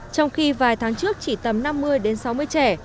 trong khi vài tháng trước chỉ tầm năm mươi sáu mươi trẻ